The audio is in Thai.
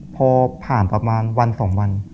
พอผ่านประมาณวัน๒วัน